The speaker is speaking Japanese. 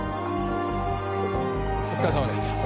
お疲れさまです。